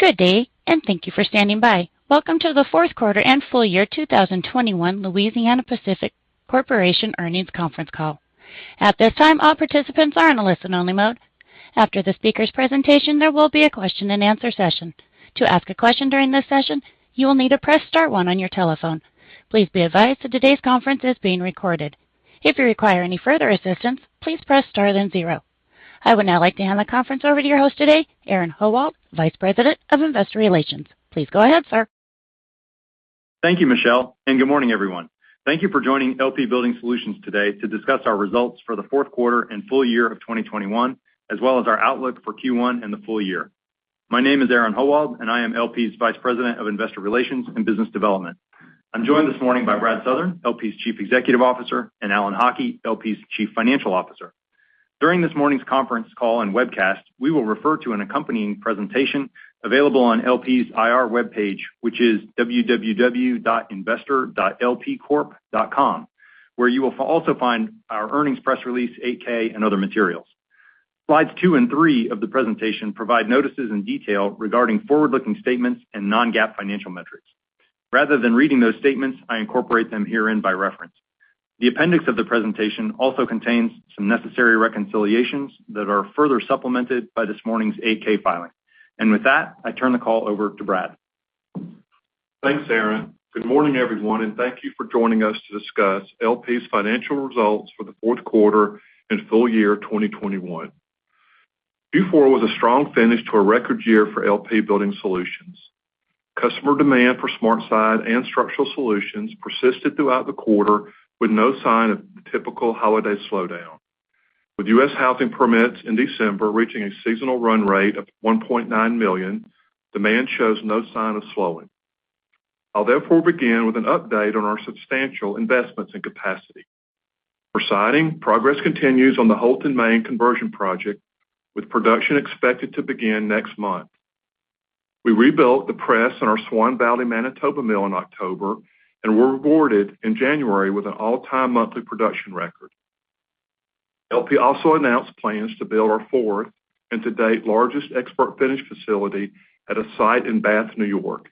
Good day, and thank you for standing by. Welcome to the fourth quarter and full year 2021 Louisiana-Pacific Corporation earnings conference call. At this time, all participants are in a listen-only mode. After the speaker's presentation, there will be a question-and-answer session. To ask a question during this session, you will need to press *1 on your telephone. Please be advised that today's conference is being recorded. If you require any further assistance, please press * then 0. I would now like to hand the conference over to your host today, Aaron Howald, Vice President of Investor Relations. Please go ahead, sir. Thank you, Michelle, and good morning, everyone. Thank you for joining LP Building Solutions today to discuss our results for the fourth quarter and full year of 2021, as well as our outlook for Q1 and the full year. My name is Aaron Howald, and I am LP's Vice President of Investor Relations and Business Development. I'm joined this morning by Brad Southern, LP's Chief Executive Officer, and Alan Haughie, LP's Chief Financial Officer. During this morning's conference call and webcast, we will refer to an accompanying presentation available on LP's IR webpage, which is www.investor.lpcorp.com, where you will also find our earnings press release, 8-K, and other materials. Slides 2 and 3 of the presentation provide notices and detail regarding forward-looking statements and non-GAAP financial metrics. Rather than reading those statements, I incorporate them herein by reference. The appendix of the presentation also contains some necessary reconciliations that are further supplemented by this morning's 8-K filing. With that, I turn the call over to Brad. Thanks, Aaron. Good morning, everyone, and thank you for joining us to discuss LP's financial results for the fourth quarter and full year 2021. Q4 was a strong finish to a record year for LP Building Solutions. Customer demand for SmartSide and Structural Solutions persisted throughout the quarter with no sign of the typical holiday slowdown. With U.S. housing permits in December reaching a seasonal run rate of 1.9 million, demand shows no sign of slowing. I'll therefore begin with an update on our substantial investments and capacity. For siding, progress continues on the Houlton, Maine conversion project, with production expected to begin next month. We rebuilt the press in our Swan Valley, Manitoba mill in October and were rewarded in January with an all-time monthly production record. LP also announced plans to build our fourth and to date largest ExpertFinish facility at a site in Bath, New York.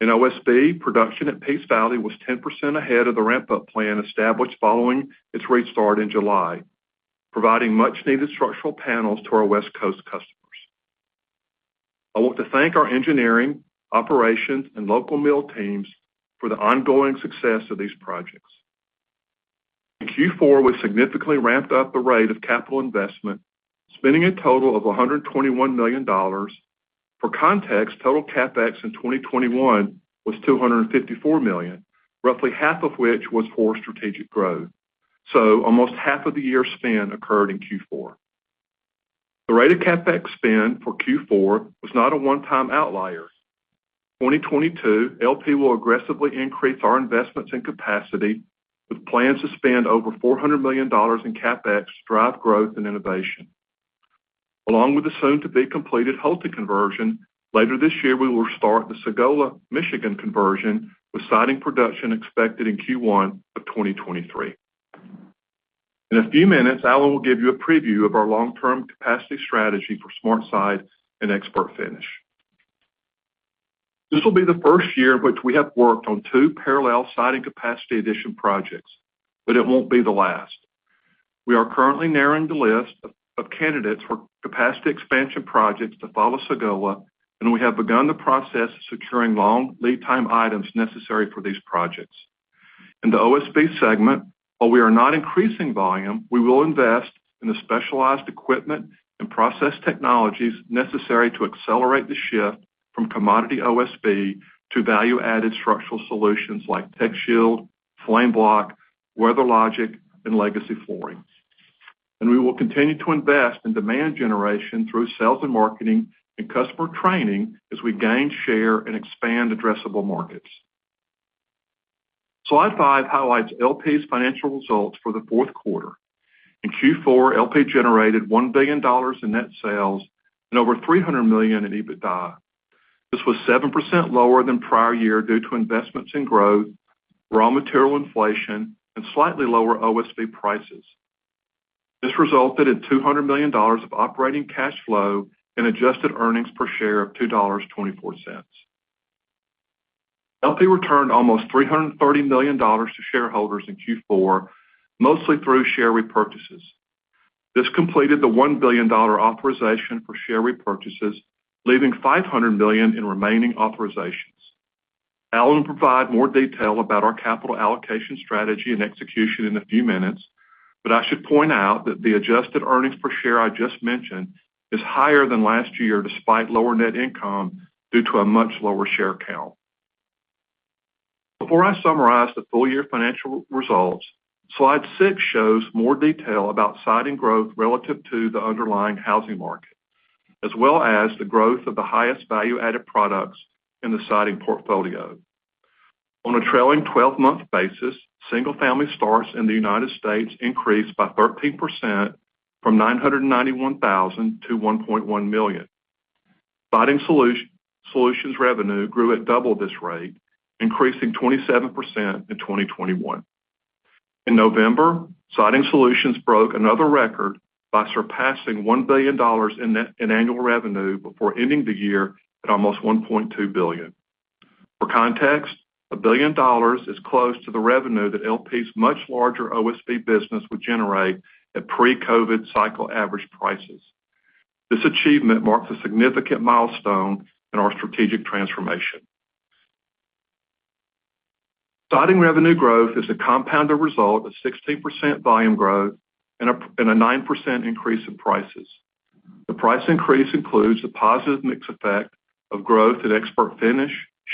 In OSB, production at Peace Valley was 10% ahead of the ramp-up plan established following its restart in July, providing much-needed structural panels to our West Coast customers. I want to thank our engineering, operations, and local mill teams for the ongoing success of these projects. In Q4, we significantly ramped up the rate of capital investment, spending a total of $121 million. For context, total CapEx in 2021 was $254 million, roughly half of which was for strategic growth. Almost half of the year's spend occurred in Q4. The rate of CapEx spend for Q4 was not a one-time outlier. 2022, LP will aggressively increase our investments and capacity with plans to spend over $400 million in CapEx to drive growth and innovation. Along with the soon-to-be-completed Houlton conversion, later this year, we will start the Sagola, Michigan conversion, with siding production expected in Q1 of 2023. In a few minutes, Alan will give you a preview of our long-term capacity strategy for SmartSide and ExpertFinish. This will be the first year in which we have worked on two parallel siding capacity addition projects, but it won't be the last. We are currently narrowing the list of candidates for capacity expansion projects to follow Sagola, and we have begun the process of securing long lead time items necessary for these projects. In the OSB segment, while we are not increasing volume, we will invest in the specialized equipment and process technologies necessary to accelerate the shift from commodity OSB to value-added Structural Solutions like TechShield, FlameBlock, WeatherLogic, and Legacy flooring. We will continue to invest in demand generation through sales and marketing and customer training as we gain share and expand addressable markets. Slide 5 highlights LP's financial results for the fourth quarter. In Q4, LP generated $1 billion in net sales and over $300 million in EBITDA. This was 7% lower than prior year due to investments in growth, raw material inflation, and slightly lower OSB prices. This resulted in $200 million of operating cash flow and adjusted earnings per share of $2.24. LP returned almost $330 million to shareholders in Q4, mostly through share repurchases. This completed the $1 billion authorization for share repurchases, leaving $500 million in remaining authorizations. Alan will provide more detail about our capital allocation strategy and execution in a few minutes, but I should point out that the adjusted earnings per share I just mentioned is higher than last year despite lower net income due to a much lower share count. Before I summarize the full year financial results, slide 6 shows more detail about siding growth relative to the underlying housing market, as well as the growth of the highest value-added products in the siding portfolio. On a trailing twelve-month basis, single-family starts in the United States increased by 13% from 991,000 to 1.1 million. Siding Solutions revenue grew at double this rate, increasing 27% in 2021. In November, Siding Solutions broke another record by surpassing $1 billion in annual revenue before ending the year at almost $1.2 billion. For context, $1 billion is close to the revenue that LP's much larger OSB business would generate at pre-COVID cycle average prices. This achievement marks a significant milestone in our strategic transformation. Siding revenue growth is a compounder result of 16% volume growth and a 9% increase in prices. The price increase includes the positive mix effect of growth at ExpertFinish,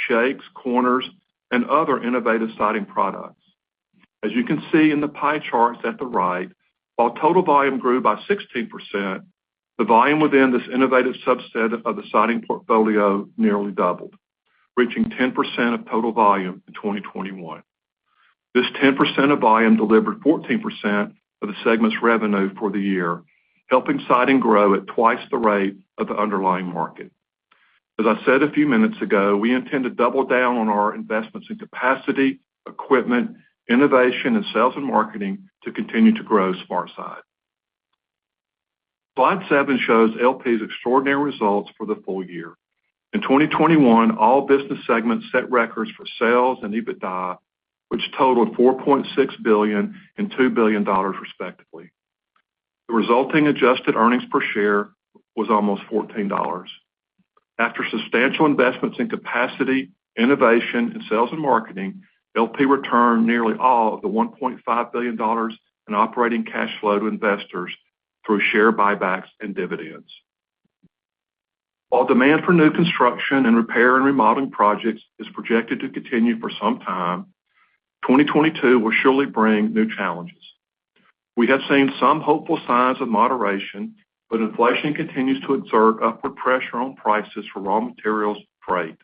shakes, corners, and other innovative siding products. As you can see in the pie charts at the right, while total volume grew by 16%, the volume within this innovative subset of the siding portfolio nearly doubled, reaching 10% of total volume in 2021. This 10% of volume delivered 14% of the segment's revenue for the year, helping Siding grow at twice the rate of the underlying market. As I said a few minutes ago, we intend to double down on our investments in capacity, equipment, innovation, and sales and marketing to continue to grow SmartSide. Slide 7 shows LP's extraordinary results for the full year. In 2021, all business segments set records for sales and EBITDA, which totaled $4.6 billion and $2 billion, respectively. The resulting adjusted earnings per share was almost $14. After substantial investments in capacity, innovation, and sales and marketing, LP returned nearly all of the $1.5 billion in operating cash flow to investors through share buybacks and dividends. While demand for new construction and repair and remodeling projects is projected to continue for some time, 2022 will surely bring new challenges. We have seen some hopeful signs of moderation, but inflation continues to exert upward pressure on prices for raw materials and freight.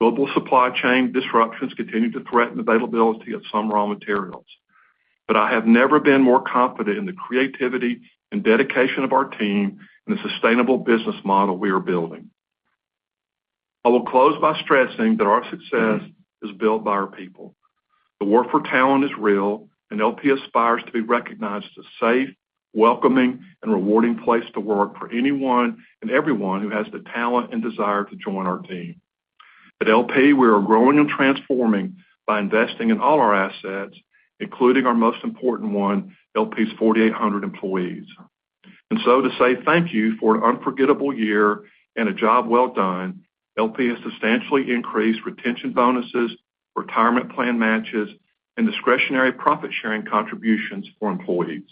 Global supply chain disruptions continue to threaten availability of some raw materials. I have never been more confident in the creativity and dedication of our team and the sustainable business model we are building. I will close by stressing that our success is built by our people. The war for talent is real, and LP aspires to be recognized as a safe, welcoming, and rewarding place to work for anyone and everyone who has the talent and desire to join our team. At LP, we are growing and transforming by investing in all our assets, including our most important one, LP's 4,800 employees. To say thank you for an unforgettable year and a job well done, LP has substantially increased retention bonuses, retirement plan matches, and discretionary profit-sharing contributions for employees.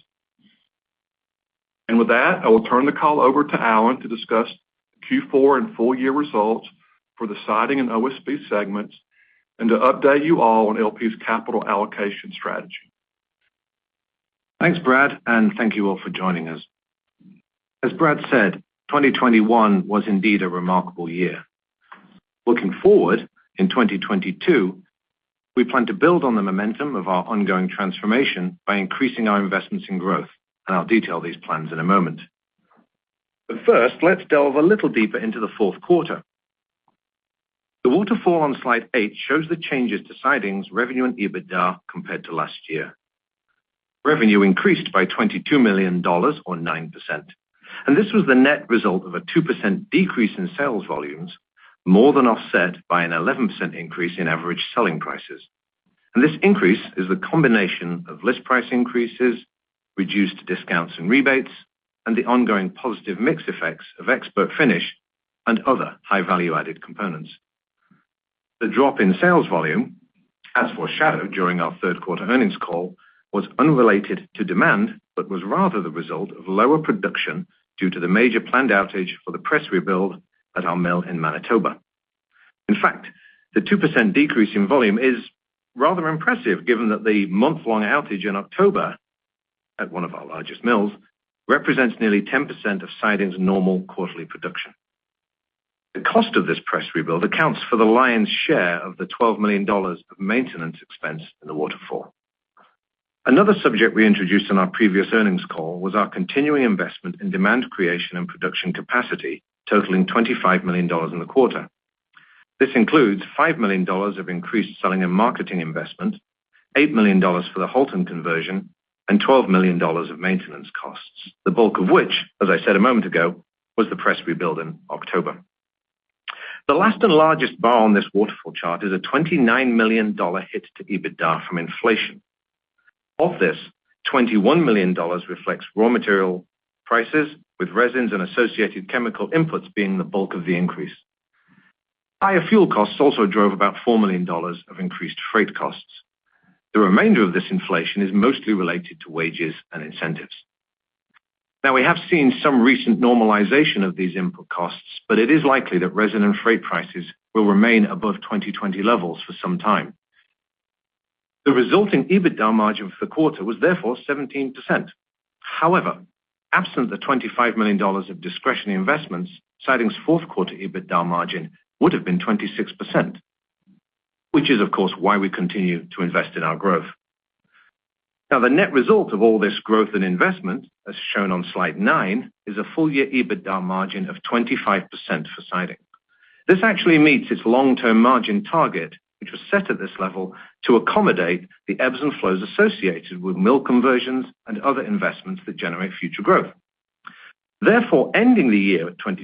With that, I will turn the call over to Alan to discuss Q4 and full year results for the Siding and OSB segments, and to update you all on LP's capital allocation strategy. Thanks, Brad, and thank you all for joining us. As Brad said, 2021 was indeed a remarkable year. Looking forward, in 2022, we plan to build on the momentum of our ongoing transformation by increasing our investments in growth, and I'll detail these plans in a moment. But first, let's delve a little deeper into the fourth quarter. The waterfall on slide 8 shows the changes to Siding's revenue and EBITDA compared to last year. Revenue increased by $22 million or 9%, and this was the net result of a 2% decrease in sales volumes, more than offset by an 11% increase in average selling prices. This increase is the combination of list price increases, reduced discounts and rebates, and the ongoing positive mix effects of ExpertFinish and other high-value-added components. The drop in sales volume, as foreshadowed during our third quarter earnings call, was unrelated to demand, but was rather the result of lower production due to the major planned outage for the press rebuild at our mill in Manitoba. In fact, the 2% decrease in volume is rather impressive, given that the month-long outage in October at one of our largest mills represents nearly 10% of Siding's normal quarterly production. The cost of this press rebuild accounts for the lion's share of the $12 million of maintenance expense in the waterfall. Another subject we introduced in our previous earnings call was our continuing investment in demand creation and production capacity, totaling $25 million in the quarter. This includes $5 million of increased selling and marketing investment, $8 million for the Houlton conversion, and $12 million of maintenance costs, the bulk of which, as I said a moment ago, was the press rebuild in October. The last and largest bar on this waterfall chart is a $29 million hit to EBITDA from inflation. Of this, $21 million reflects raw material prices, with resins and associated chemical inputs being the bulk of the increase. Higher fuel costs also drove about $4 million of increased freight costs. The remainder of this inflation is mostly related to wages and incentives. Now we have seen some recent normalization of these input costs, but it is likely that resin and freight prices will remain above 2020 levels for some time. The resulting EBITDA margin for the quarter was therefore 17%. However, absent the $25 million of discretionary investments, Siding's fourth quarter EBITDA margin would have been 26%, which is of course why we continue to invest in our growth. Now the net result of all this growth and investment, as shown on slide 9, is a full-year EBITDA margin of 25% for Siding. This actually meets its long-term margin target, which was set at this level to accommodate the ebbs and flows associated with mill conversions and other investments that generate future growth. Therefore, ending the year at 25%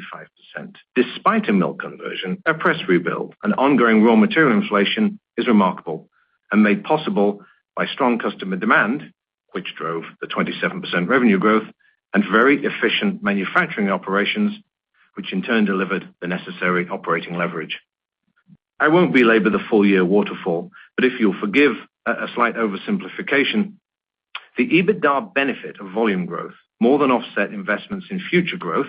despite a mill conversion, a press rebuild, and ongoing raw material inflation is remarkable and made possible by strong customer demand, which drove the 27% revenue growth and very efficient manufacturing operations, which in turn delivered the necessary operating leverage. I won't belabor the full year waterfall, but if you'll forgive a slight oversimplification, the EBITDA benefit of volume growth more than offset investments in future growth,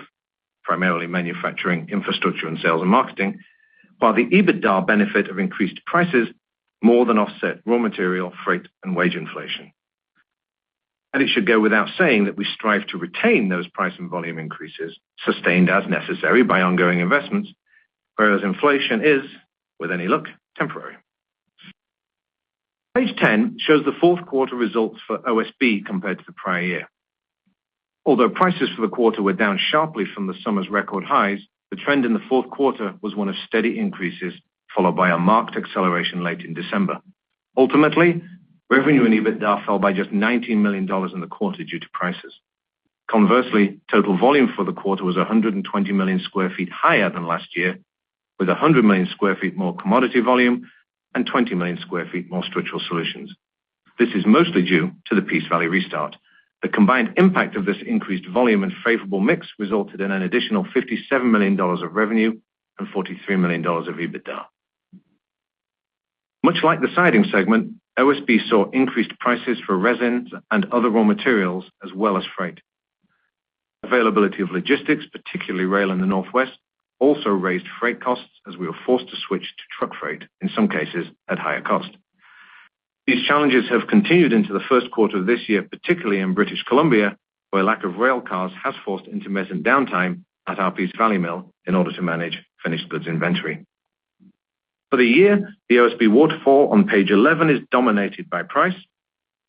primarily manufacturing infrastructure and sales and marketing, while the EBITDA benefit of increased prices more than offset raw material, freight, and wage inflation. It should go without saying that we strive to retain those price and volume increases sustained as necessary by ongoing investments, whereas inflation is, with any luck, temporary. Page 10 shows the fourth quarter results for OSB compared to the prior year. Although prices for the quarter were down sharply from the summer's record highs, the trend in the fourth quarter was one of steady increases, followed by a marked acceleration late in December. Ultimately, revenue and EBITDA fell by just $19 million in the quarter due to prices. Conversely, total volume for the quarter was 120 million sq ft higher than last year, with 100 million sq ft more commodity volume and 20 million sq ft more Structural Solutions. This is mostly due to the Peace Valley restart. The combined impact of this increased volume and favorable mix resulted in an additional $57 million of revenue and $43 million of EBITDA. Much like the Siding Solutions segment, OSB saw increased prices for resins and other raw materials, as well as freight. Availability of logistics, particularly rail in the Northwest, also raised freight costs as we were forced to switch to truck freight, in some cases at higher cost. These challenges have continued into the first quarter of this year, particularly in British Columbia, where lack of rail cars has forced intermittent downtime at our Peace Valley mill in order to manage finished goods inventory. For the year, the OSB waterfall on page 11 is dominated by price,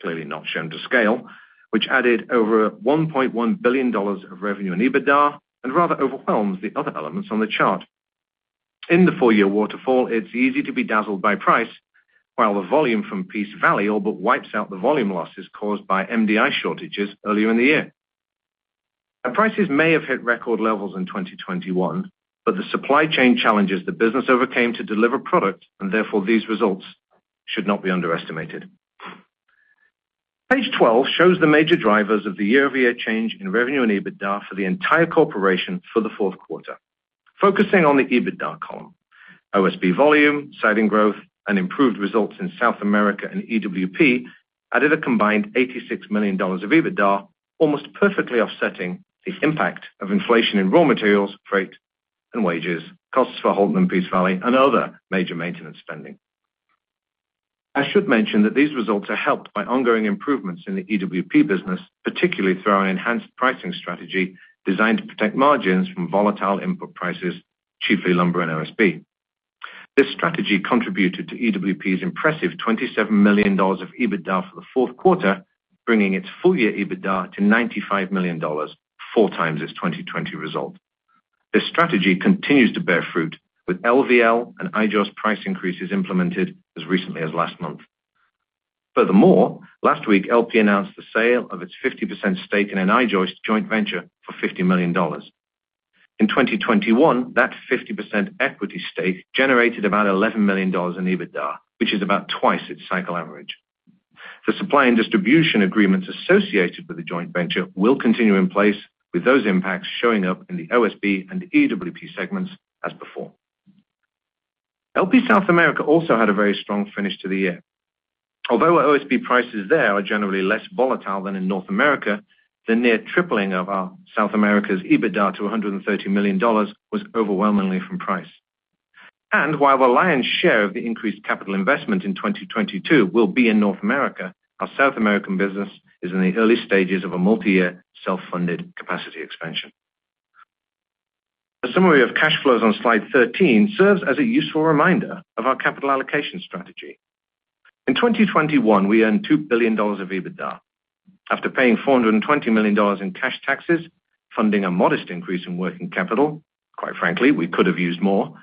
clearly not shown to scale, which added over $1.1 billion of revenue and EBITDA and rather overwhelms the other elements on the chart. In the full year waterfall, it's easy to be dazzled by price while the volume from Peace Valley all but wipes out the volume losses caused by MDI shortages earlier in the year. Now prices may have hit record levels in 2021, but the supply chain challenges the business overcame to deliver product, and therefore these results should not be underestimated. Page twelve shows the major drivers of the year-over-year change in revenue and EBITDA for the entire corporation for the fourth quarter. Focusing on the EBITDA column, OSB volume, siding growth, and improved results in South America and EWP added a combined $86 million of EBITDA, almost perfectly offsetting the impact of inflation in raw materials, freight, and wages, costs for Houlton and Peace Valley and other major maintenance spending. I should mention that these results are helped by ongoing improvements in the EWP business, particularly through our enhanced pricing strategy designed to protect margins from volatile input prices, chiefly lumber and OSB. This strategy contributed to EWP's impressive $27 million of EBITDA for the fourth quarter, bringing its full year EBITDA to $95 million, four times its 2020 result. This strategy continues to bear fruit with LVL and I-joists price increases implemented as recently as last month. Furthermore, last week, LP announced the sale of its 50% stake in an I-joist joint venture for $50 million. In 2021, that 50% equity stake generated about $11 million in EBITDA, which is about twice its cycle average. The supply and distribution agreements associated with the joint venture will continue in place, with those impacts showing up in the OSB and EWP segments as before. LP South America also had a very strong finish to the year. Although OSB prices there are generally less volatile than in North America, the near tripling of our South America's EBITDA to $130 million was overwhelmingly from price. While the lion's share of the increased capital investment in 2022 will be in North America, our South American business is in the early stages of a multi-year self-funded capacity expansion. A summary of cash flows on slide 13 serves as a useful reminder of our capital allocation strategy. In 2021, we earned $2 billion of EBITDA. After paying $420 million in cash taxes, funding a modest increase in working capital, quite frankly, we could have used more,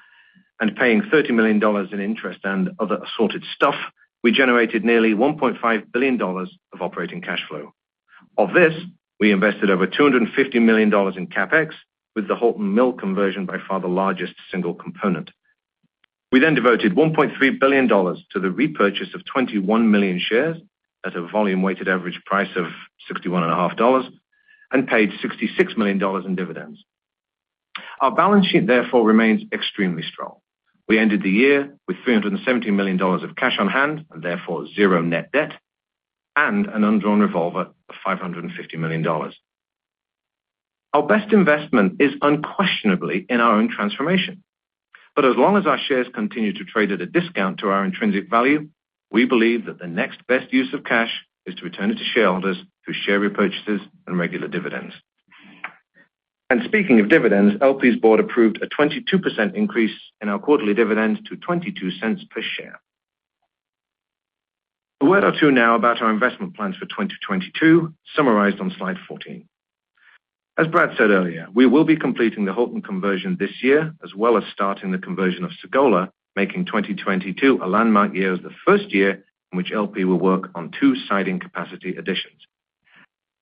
and paying $30 million in interest and other assorted stuff, we generated nearly $1.5 billion of operating cash flow. Of this, we invested over $250 million in CapEx, with the Houlton Mill conversion by far the largest single component. We devoted $1.3 billion to the repurchase of 21 million shares at a volume weighted average price of $61.50 and paid $66 million in dividends. Our balance sheet therefore remains extremely strong. We ended the year with $370 million of cash on hand, and therefore zero net debt and an undrawn revolver of $550 million. Our best investment is unquestionably in our own transformation. As long as our shares continue to trade at a discount to our intrinsic value, we believe that the next best use of cash is to return it to shareholders through share repurchases and regular dividends. Speaking of dividends, LP's board approved a 22% increase in our quarterly dividend to $0.22 per share. A word or two now about our investment plans for 2022, summarized on slide 14. As Brad said earlier, we will be completing the Houlton conversion this year as well as starting the conversion of Sagola, making 2022 a landmark year as the first year in which LP will work on 2 siding capacity additions.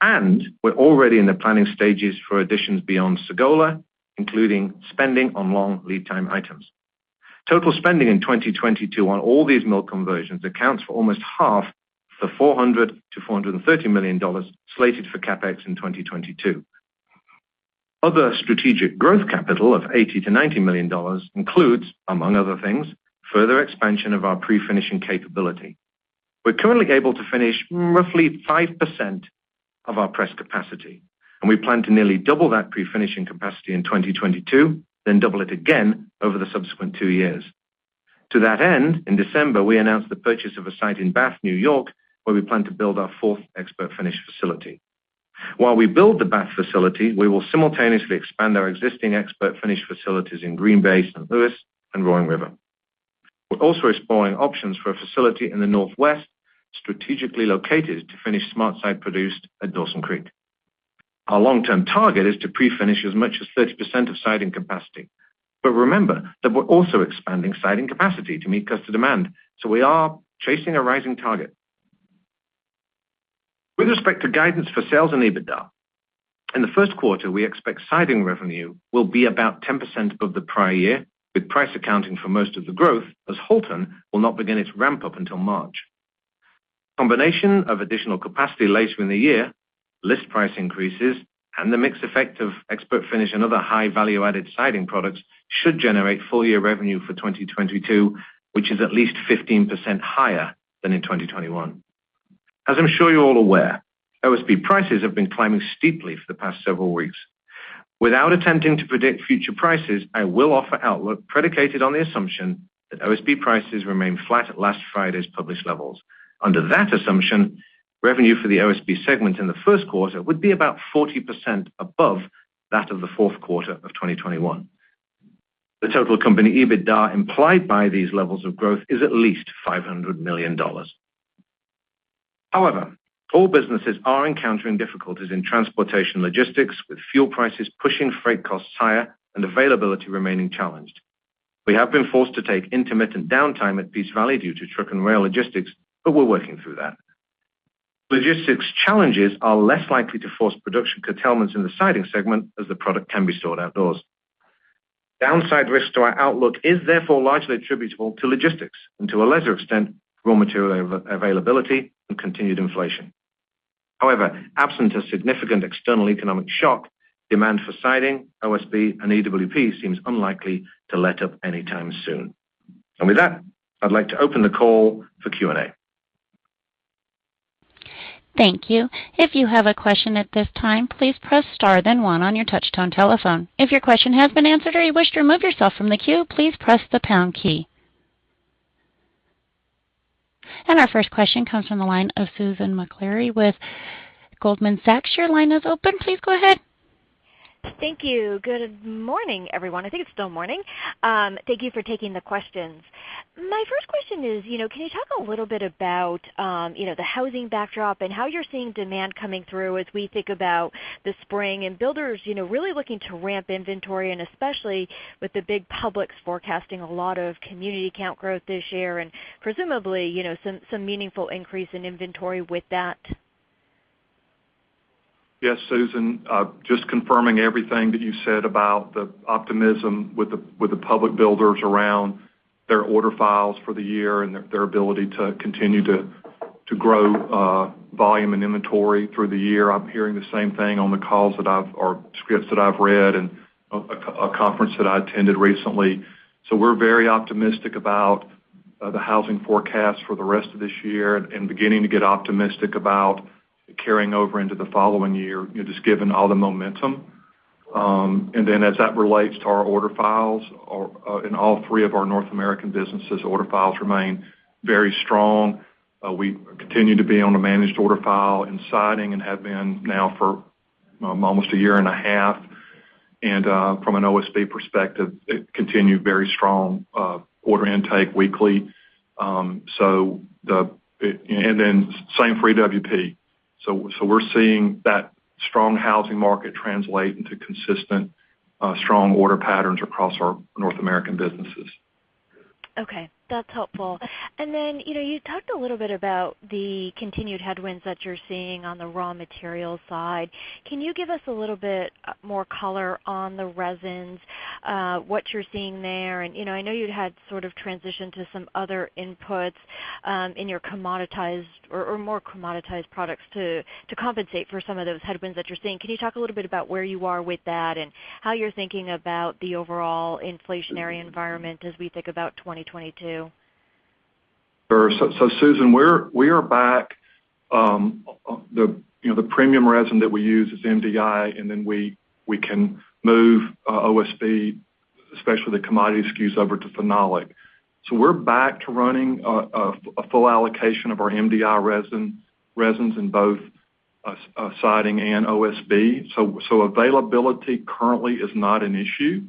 We're already in the planning stages for additions beyond Sagola, including spending on long lead time items. Total spending in 2022 on all these mill conversions accounts for almost half the $400 million-$430 million slated for CapEx in 2022. Other strategic growth capital of $80 million-$90 million includes, among other things, further expansion of our pre-finishing capability. We're currently able to finish roughly 5% of our press capacity, and we plan to nearly double that pre-finishing capacity in 2022, then double it again over the subsequent two years. To that end, in December, we announced the purchase of a site in Bath, New York, where we plan to build our fourth ExpertFinish facility. While we build the Bath facility, we will simultaneously expand our existing ExpertFinish facilities in Green Bay, St. Louis, and Roaring River. We're also exploring options for a facility in the Northwest, strategically located to finish SmartSide produced at Dawson Creek. Our long-term target is to pre-finish as much as 30% of siding capacity. Remember that we're also expanding siding capacity to meet customer demand, so we are chasing a rising target. With respect to guidance for sales and EBITDA, in the first quarter, we expect siding revenue will be about 10% above the prior year, with price accounting for most of the growth as Houlton will not begin its ramp up until March. Combination of additional capacity later in the year, list price increases, and the mix effect of ExpertFinish and other high value-added siding products should generate full year revenue for 2022, which is at least 15% higher than in 2021. As I'm sure you're all aware, OSB prices have been climbing steeply for the past several weeks. Without attempting to predict future prices, I will offer an outlook predicated on the assumption that OSB prices remain flat at last Friday's published levels. Under that assumption, revenue for the OSB segment in the first quarter would be about 40% above that of the fourth quarter of 2021. The total company EBITDA implied by these levels of growth is at least $500 million. However, all businesses are encountering difficulties in transportation logistics with fuel prices pushing freight costs higher and availability remaining challenged. We have been forced to take intermittent downtime at Peace Valley due to truck and rail logistics, but we're working through that. Logistics challenges are less likely to force production curtailments in the siding segment as the product can be stored outdoors. Downside risk to our outlook is therefore largely attributable to logistics and to a lesser extent, raw material availability and continued inflation. However, absent a significant external economic shock, demand for siding, OSB, and EWP seems unlikely to let up anytime soon. With that, I'd like to open the call for Q&A. Thank you. Our first question comes from the line of Susan Maklari with Goldman Sachs. Your line is open. Please go ahead. Thank you. Good morning, everyone. I think it's still morning. Thank you for taking the questions. My first question is, you know, can you talk a little bit about, you know, the housing backdrop and how you're seeing demand coming through as we think about the spring and builders, you know, really looking to ramp inventory, and especially with the big publics forecasting a lot of community count growth this year and presumably, you know, some meaningful increase in inventory with that. Yes, Susan, just confirming everything that you said about the optimism with the public builders around their order files for the year and their ability to continue to grow volume and inventory through the year. I'm hearing the same thing on the calls or scripts that I've read and a conference that I attended recently. We're very optimistic about the housing forecast for the rest of this year and beginning to get optimistic about carrying over into the following year, you know, just given all the momentum. As that relates to our order files in all three of our North American businesses, order files remain very strong. We continue to be on a managed order file in siding and have been now for almost a year and a half. From an OSB perspective, it continued very strong order intake weekly. Same for EWP. We're seeing that strong housing market translate into consistent strong order patterns across our North American businesses. Okay, that's helpful. Then, you know, you talked a little bit about the continued headwinds that you're seeing on the raw material side. Can you give us a little bit more color on the resins, what you're seeing there? You know, I know you'd had sort of transitioned to some other inputs in your commoditized or more commoditized products to compensate for some of those headwinds that you're seeing. Can you talk a little bit about where you are with that and how you're thinking about the overall inflationary environment as we think about 2022? Sure. Susan, we're back, you know, the premium resin that we use is MDI, and then we can move OSB, especially the commodity SKUs over to phenolic. We're back to running a full allocation of our MDI resins in both siding and OSB. Availability currently is not an issue.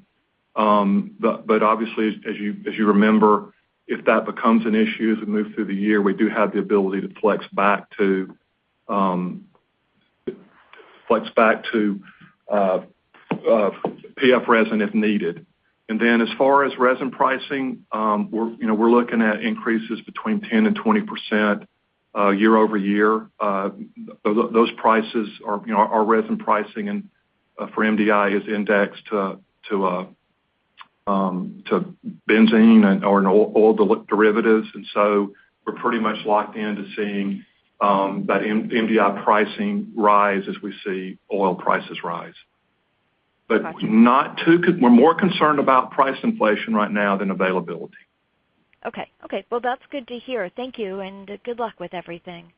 Obviously as you remember, if that becomes an issue as we move through the year, we do have the ability to flex back to PF resin if needed. Then as far as resin pricing, we're, you know, looking at increases between 10% and 20% year-over-year. Those prices are, you know, our resin pricing and for MDI is indexed to benzene and/or oil derivatives. We're pretty much locked in to seeing that MDI pricing rise as we see oil prices rise. Got you. We're more concerned about price inflation right now than availability. Okay. Well, that's good to hear. Thank you, and good luck with everything.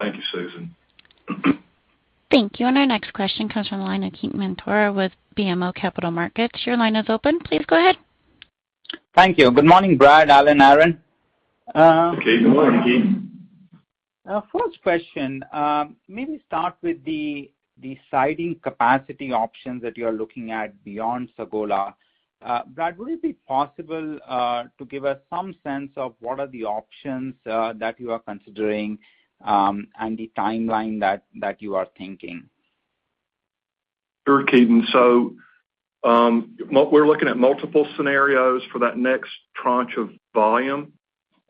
Thank you, Susan. Thank you. Our next question comes from the line of Ketan Mamtora with BMO Capital Markets. Your line is open. Please go ahead. Thank you. Good morning, Brad, Alan, Aaron. Hey, good morning, Ketan. First question, maybe start with the siding capacity options that you're looking at beyond Sagola. Brad, would it be possible to give us some sense of what are the options that you are considering, and the timeline that you are thinking? Sure, Ketan. We're looking at multiple scenarios for that next tranche of volume.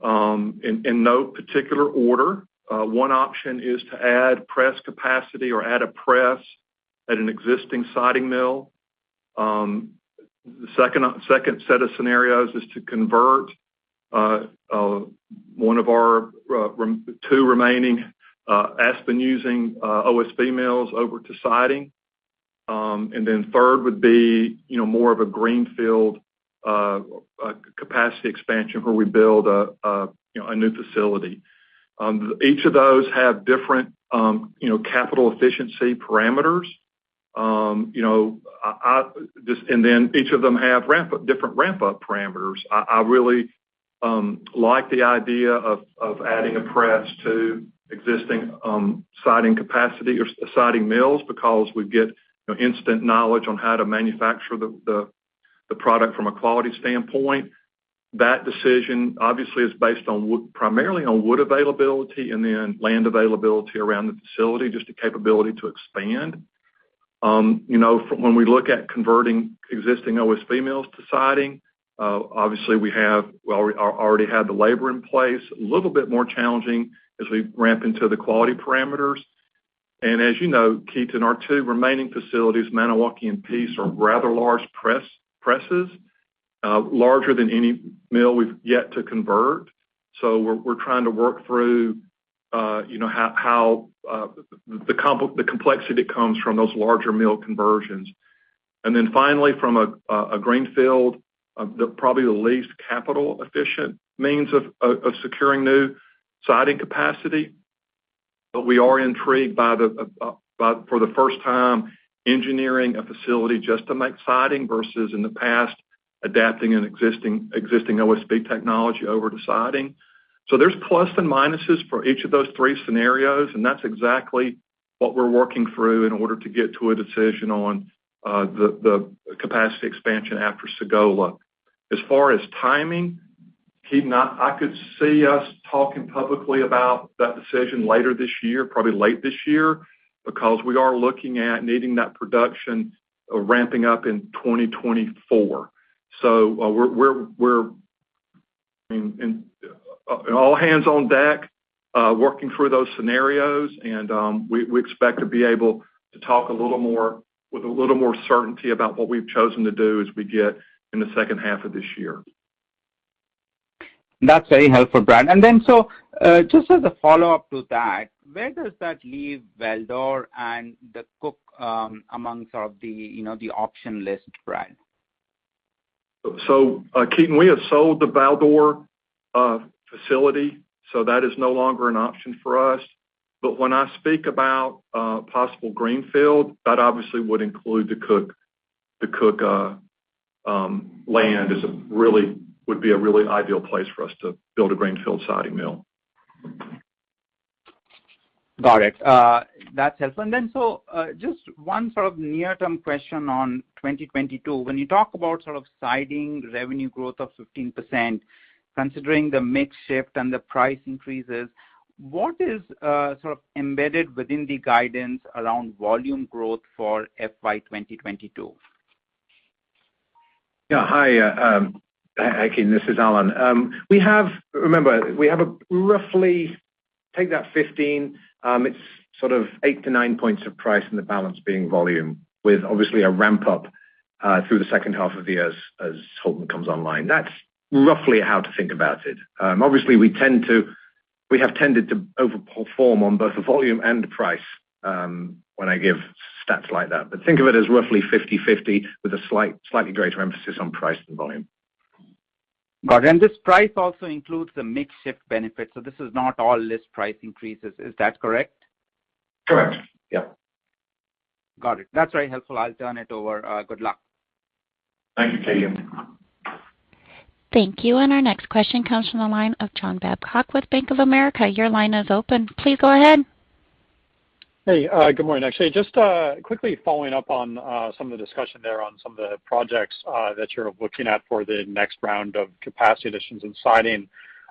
In no particular order, one option is to add press capacity or add a press at an existing siding mill. The second set of scenarios is to convert one of our two remaining Aspen-using OSB mills over to siding. Third would be, you know, more of a greenfield capacity expansion where we build a, you know, a new facility. Each of those have different, you know, capital efficiency parameters. You know, each of them have different ramp up parameters. I really like the idea of adding a press to existing siding capacity or siding mills because we get instant knowledge on how to manufacture the product from a quality standpoint. That decision obviously is based on primarily on wood availability and then land availability around the facility, just the capability to expand. You know, when we look at converting existing OSB mills to siding, obviously we have well, we already had the labor in place, a little bit more challenging as we ramp into the quality parameters. As you know, Ketan, our two remaining facilities, Maniwaki and Peace, are rather large presses, larger than any mill we've yet to convert. We're trying to work through you know how the complexity that comes from those larger mill conversions. Then finally, from a greenfield, probably the least capital efficient means of securing new siding capacity. We are intrigued by for the first time engineering a facility just to make siding versus in the past, adapting an existing OSB technology over to siding. There's pluses and minuses for each of those three scenarios, and that's exactly what we're working through in order to get to a decision on the capacity expansion after Sagola. As far as timing, Ketan, I could see us talking publicly about that decision later this year, probably late this year, because we are looking at needing that production ramping up in 2024. We're in all hands on deck, working through those scenarios, and we expect to be able to talk a little more with a little more certainty about what we've chosen to do as we get in the second half of this year. That's very helpful, Brad. Just as a follow-up to that, where does that leave Val-d'Or and the Cook amongst the, you know, the option list, Brad? Ketan, we have sold the Val-d'Or facility, so that is no longer an option for us. When I speak about possible greenfield, that obviously would include the Cook land. It would be a really ideal place for us to build a greenfield siding mill. Got it. That's helpful. Just one sort of near-term question on 2022. When you talk about sort of siding revenue growth of 15%, considering the mix shift and the price increases, what is sort of embedded within the guidance around volume growth for FY 2022? Hi, Ketan, this is Alan Haughie. Remember, we have a rough take that 15, it's sort of 8-9 points of price and the balance being volume, with obviously a ramp up through the second half of the year as Houlton comes online. That's roughly how to think about it. Obviously, we have tended to overperform on both the volume and the price when I give stats like that. Think of it as roughly 50-50 with a slightly greater emphasis on price than volume. Got it. This price also includes the mix shift benefit, so this is not all list price increases. Is that correct? Correct. Yeah. Got it. That's very helpful. I'll turn it over. Good luck. Thank you, Ketan. Thank you. Our next question comes from the line of John Babcock with Bank of America. Your line is open. Please go ahead. Hey, good morning, actually. Just quickly following up on some of the discussion there on some of the projects that you're looking at for the next round of capacity additions and siding.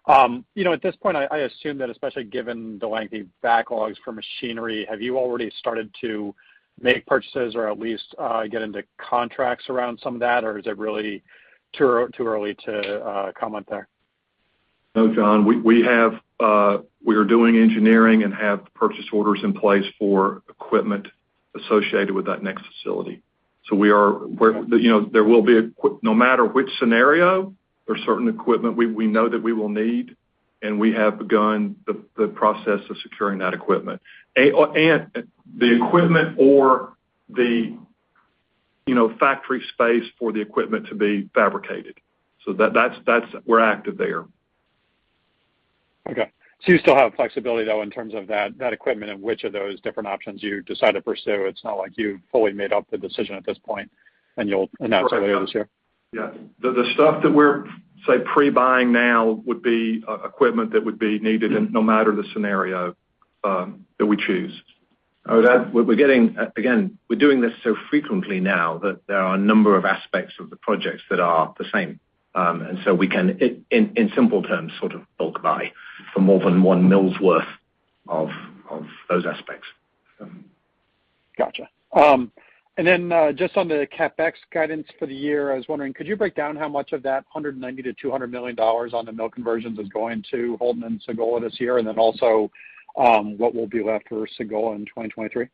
You know, at this point I assume that especially given the lengthy backlogs for machinery, have you already started to make purchases or at least get into contracts around some of that? Or is it really too early to comment there? No, John. We are doing engineering and have purchase orders in place for equipment associated with that next facility. We're, you know, there will be equipment no matter which scenario. There's certain equipment we know that we will need, and we have begun the process of securing that equipment. And the equipment or the, you know, factory space for the equipment to be fabricated. That's. We're active there. Okay. You still have flexibility though, in terms of that equipment in which of those different options you decide to pursue. It's not like you've fully made up the decision at this point and you'll announce it later this year. Yeah. The stuff that we're, say, pre-buying now would be equipment that would be needed no matter the scenario that we choose. Again, we're doing this so frequently now that there are a number of aspects of the projects that are the same. We can, in simple terms, sort of bulk buy for more than one mill's worth of those aspects. Gotcha. Just on the CapEx guidance for the year, I was wondering, could you break down how much of that $100 million-$200 million on the mill conversions is going to Houlton and Sagola this year? What will be left for Sagola in 2023?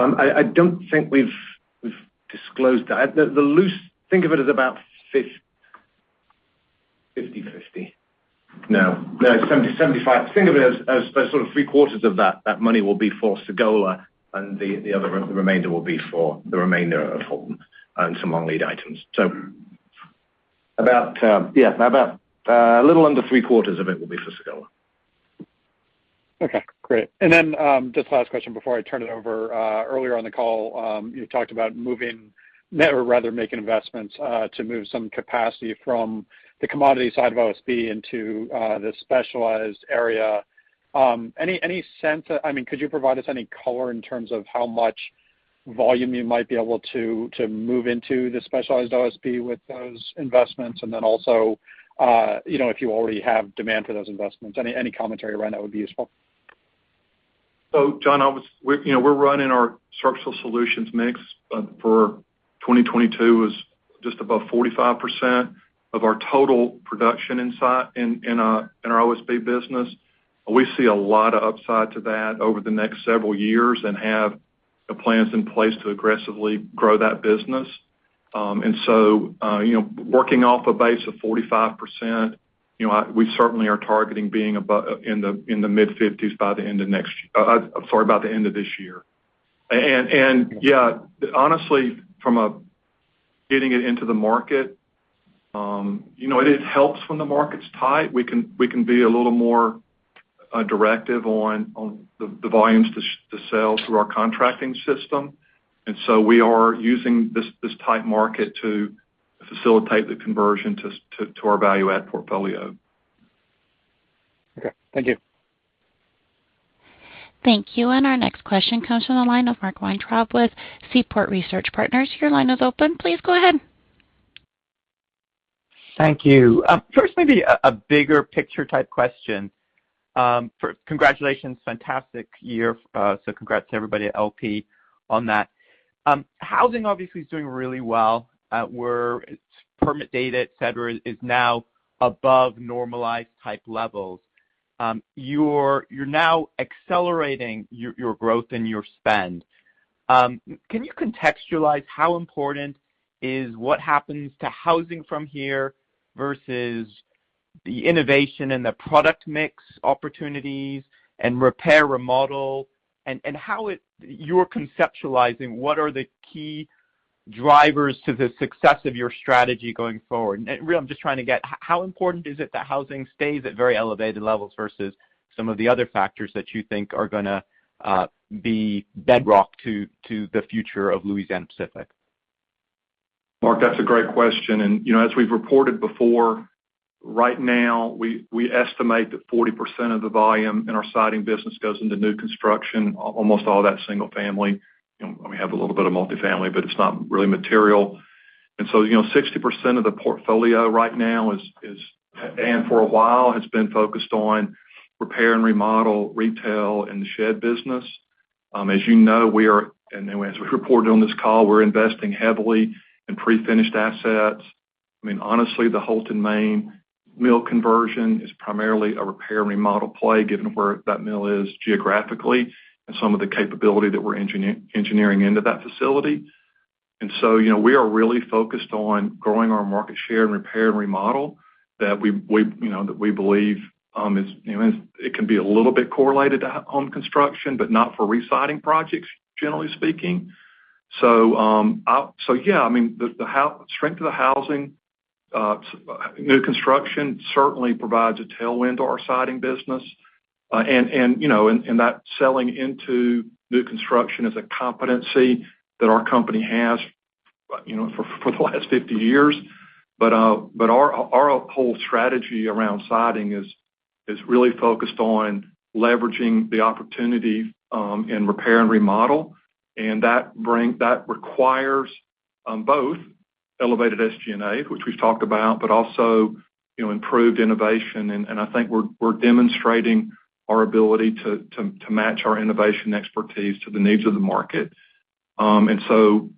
I don't think we've disclosed that. Think of it as about 50/50. No, 75. Think of it as sort of three quarters of that money will be for Sagola and the other remainder will be for the remainder of Houlton and some long lead items. About a little under three quarters of it will be for Sagola. Okay, great. Just last question before I turn it over. Earlier on the call, you talked about moving, or rather making investments, to move some capacity from the commodity side of OSB into the specialized area. Any sense, I mean, could you provide us any color in terms of how much volume you might be able to move into the specialized OSB with those investments? And then also, you know, if you already have demand for those investments, any commentary around that would be useful. John, obviously, we're running our Structural Solutions mix for 2022 is just above 45% of our total production inside our OSB business. We see a lot of upside to that over the next several years and have the plans in place to aggressively grow that business. Working off a base of 45%, we certainly are targeting being above in the mid-50s by the end of this year. Yeah, honestly, from getting it into the market, it helps when the market's tight. We can be a little more directive on the volumes to sell through our contracting system. We are using this tight market to facilitate the conversion to our value add portfolio. Okay. Thank you. Thank you. Our next question comes from the line of Mark Weintraub with Seaport Research Partners. Your line is open. Please go ahead. Thank you. First, maybe a bigger picture type question. First congratulations, fantastic year. So congrats to everybody at LP on that. Housing obviously is doing really well at where its permit data, et cetera, is now above normalized type levels. You're now accelerating your growth and your spend. Can you contextualize how important is what happens to housing from here versus the innovation and the product mix opportunities and repair, remodel, and you're conceptualizing what are the key drivers to the success of your strategy going forward? Really, I'm just trying to get how important is it that housing stays at very elevated levels versus some of the other factors that you think are gonna be bedrock to the future of Louisiana-Pacific? Mark, that's a great question. You know, as we've reported before, right now, we estimate that 40% of the volume in our siding business goes into new construction, almost all of that single family. You know, we have a little bit of multifamily, but it's not really material. You know, 60% of the portfolio right now is and for a while has been focused on repair and remodel, retail and the shed business. As you know, and as we reported on this call, we're investing heavily in pre-finished assets. I mean, honestly, the Houlton, Maine mill conversion is primarily a repair and remodel play, given where that mill is geographically and some of the capability that we're engineering into that facility. You know, we are really focused on growing our market share in repair and remodel that we believe is it can be a little bit correlated to home construction, but not for re-siding projects, generally speaking. I mean, the housing strength, strong new construction certainly provides a tailwind to our siding business. And you know, that selling into new construction is a competency that our company has, you know, for the last 50 years. Our whole strategy around siding is really focused on leveraging the opportunity in repair and remodel, and that requires both elevated SG&A, which we've talked about, but also, you know, improved innovation. I think we're demonstrating our ability to match our innovation expertise to the needs of the market. You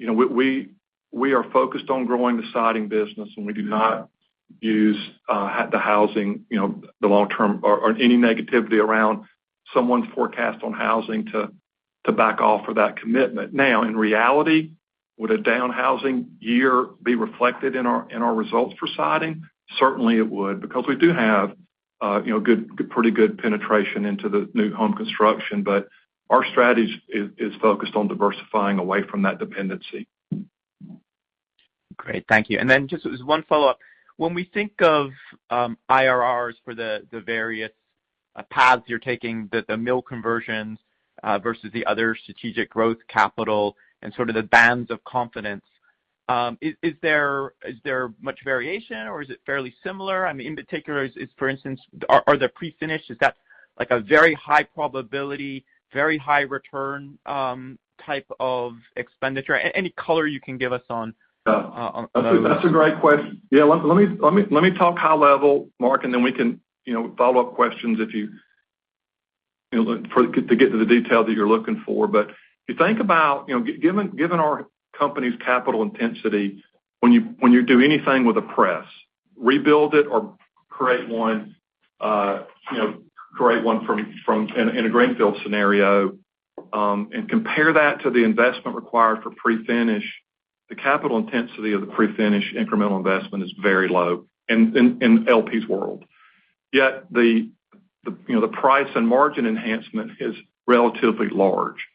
know, we are focused on growing the siding business, and we do not use the housing, you know, the long-term or any negativity around some forecast on housing to back off of that commitment. In reality, would a down housing year be reflected in our results for siding? Certainly, it would because we do have you know pretty good penetration into the new home construction, but our strategy is focused on diversifying away from that dependency. Great. Thank you. Then just as one follow-up, when we think of IRRs for the various paths you're taking, the mill conversions versus the other strategic growth capital and sort of the bands of confidence, is there much variation or is it fairly similar? I mean, in particular, for instance, are there prefinish? Is that like a very high probability, very high return type of expenditure? Any color you can give us on those. That's a great question. Yeah, let me talk high level, Mark, and then we can, you know, follow up questions if you want to get to the detail that you're looking for. But if you think about, you know, given our company's capital intensity, when you do anything with a press, rebuild it or create one, you know, create one in a greenfield scenario, and compare that to the investment required for prefinish, the capital intensity of the prefinish incremental investment is very low in LP's world. Yet the price and margin enhancement is relatively large.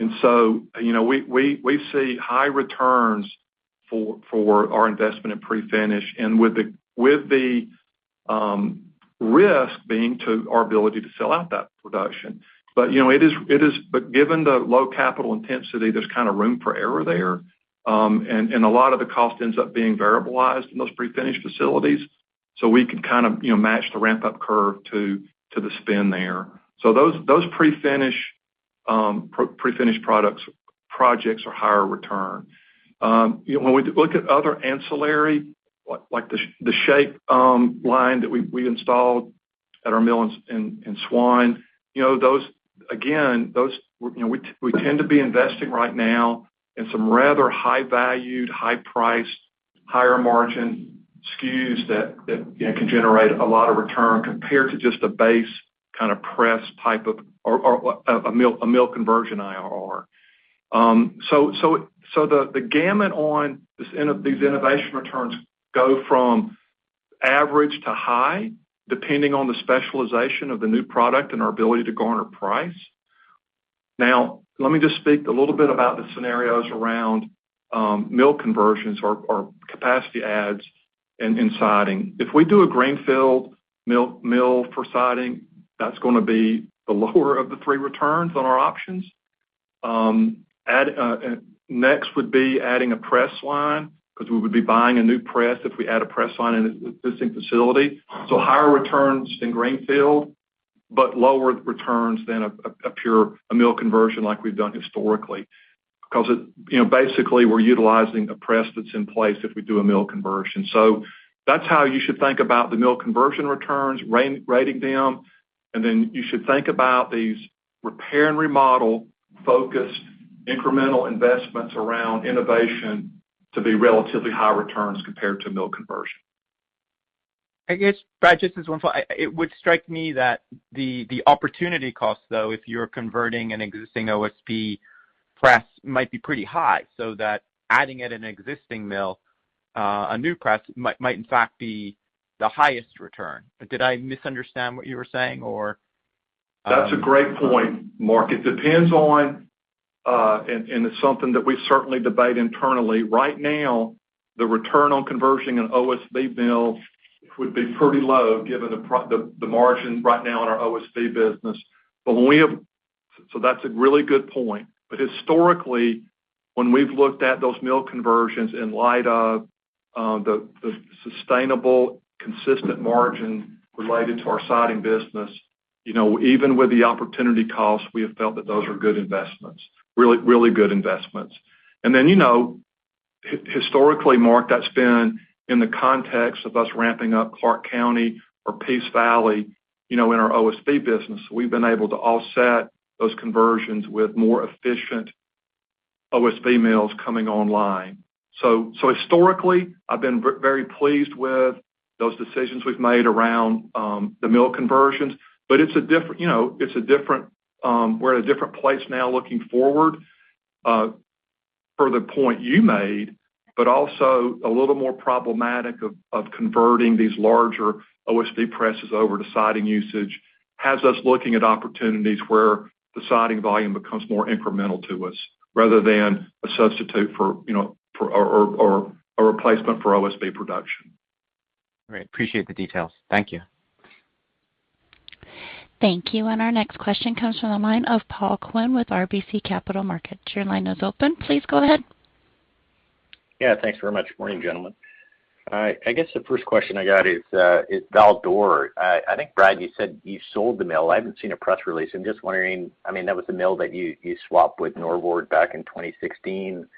You know, we see high returns for our investment in prefinish and with the risk being to our ability to sell out that production. Given the low capital intensity, there's kind of room for error there. And a lot of the cost ends up being variabilized in those prefinish facilities. So we can kind of, you know, match the ramp-up curve to the spend there. So those prefinished products projects are higher return. You know, when we look at other ancillary, like the shaper line that we installed at our mill in Swan, you know, those again, we tend to be investing right now in some rather high valued, high priced, higher margin SKUs that, you know, can generate a lot of return compared to just a base kind of press type of, or a mill conversion IRR. The gamut on these innovation returns go from average to high, depending on the specialization of the new product and our ability to garner price. Now, let me just speak a little bit about the scenarios around mill conversions or capacity adds in siding. If we do a greenfield mill for siding, that's gonna be the lower of the three returns on our options. Next would be adding a press line because we would be buying a new press if we add a press line in an existing facility. Higher returns in greenfield, but lower returns than a pure mill conversion like we've done historically because it, you know, basically we're utilizing a press that's in place if we do a mill conversion. That's how you should think about the mill conversion returns, re-rating them, and then you should think about these repair and remodel-focused incremental investments around innovation to be relatively high returns compared to mill conversion. I guess, Brad, just as one follow-up. It would strike me that the opportunity cost, though, if you're converting an existing OSB press might be pretty high, so that adding at an existing mill, a new press might in fact be the highest return. Did I misunderstand what you were saying or? That's a great point, Mark. It depends on and it's something that we certainly debate internally. Right now, the return on conversion in OSB mills would be pretty low given the margin right now in our OSB business. So that's a really good point. Historically, when we've looked at those mill conversions in light of the sustainable consistent margin related to our siding business, you know, even with the opportunity cost, we have felt that those are good investments, really good investments. Then, you know, historically, Mark, that's been in the context of us ramping up Clark County or Peace Valley. You know, in our OSB business, we've been able to offset those conversions with more efficient OSB mills coming online. Historically, I've been very pleased with those decisions we've made around the mill conversions. It's a different, you know, we're at a different place now looking forward, per the point you made, but also a little more problematic of converting these larger OSB presses over to siding usage. Has us looking at opportunities where the siding volume becomes more incremental to us rather than a substitute for, you know, for or a replacement for OSB production. Great. Appreciate the details. Thank you. Thank you. Our next question comes from the line of Paul Quinn with RBC Capital Markets. Your line is open. Please go ahead. Yeah, thanks very much. Morning, gentlemen. All right. I guess the first question I got is Val-d'Or. I think, Brad, you said you sold the mill. I haven't seen a press release. I'm just wondering, I mean, that was the mill that you swapped with Norbord back in 2016 with